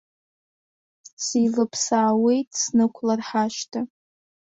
Сеилыԥсаауеит снықәлар ҳашҭа.